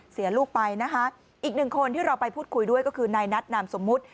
เสียลูกไปนะคะอีกหนึ่งคนที่เราไปพูดคุยด้วยก็คือนายนัทนามสมมุติ